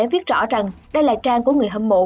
rất rõ rằng đây là trang của người hâm mộ